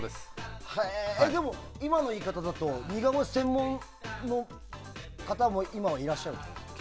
でも今の言い方だと似顔絵専門の方も今はいらっしゃるんですか？